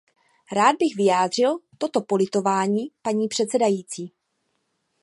Rád bych vyjádřil toto politování, paní předsedající.